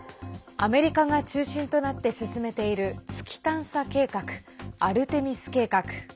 アメリカが中心となって進めている月探査計画「アルテミス計画」。